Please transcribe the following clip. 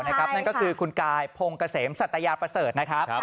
นั่นก็คือคุณกายพงเกษมสัตยาประเสริฐนะครับ